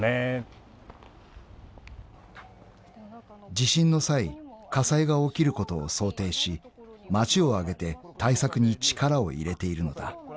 ［地震の際火災が起きることを想定し街を挙げて対策に力を入れているのだ］